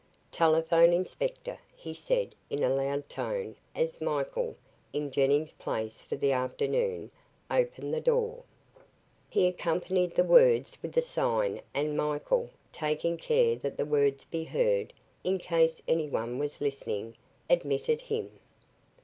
"Telephone inspector," he said in a loud tone as Michael, in Jennings' place for the afternoon, opened the door. He accompanied the words with the sign and Michael, taking care that the words be heard, in case anyone was listening, admitted him.